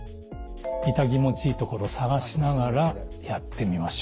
イタ気持ちいいところを探しながらやってみましょう。